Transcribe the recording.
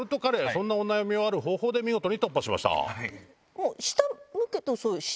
そんなお悩みをある方法で見事に突破しました。